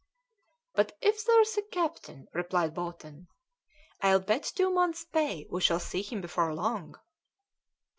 "But if there's a captain," replied Bolton, "I'll bet two months' pay we shall see him before long."